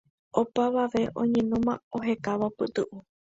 Opavave oñenóma ohekávo pytu'u